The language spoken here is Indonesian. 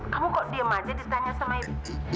kamu kok diam saja ditanya sama ibu